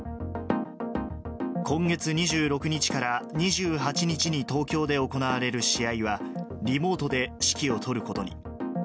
今月２６日から２８日に東京で行われる試合は、リモートで指揮を執ることに。